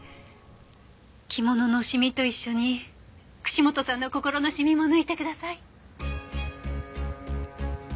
着物のシミと一緒に串本さんの心のシミも抜いてください。